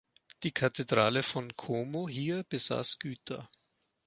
Die Kathedrale von Como hier besass Güter.